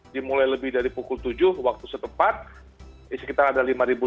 dimulai lebih dari pukul tujuh waktu setempat di sekitar ada lima lima ratus tiga belas